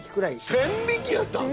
１０００匹やったん？